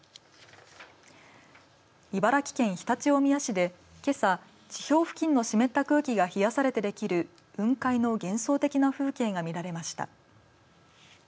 茨城県常陸大宮市でけさ、地表付近の湿った空気が冷やされて出来る雲海の幻想的な風景が見られました。